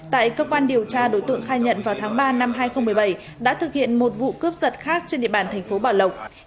tại cơ quan điều tra đối tượng khai nhận vào tháng ba năm hai nghìn một mươi bảy đã thực hiện một vụ cướp giật khác trên địa bàn thành phố bảo lộc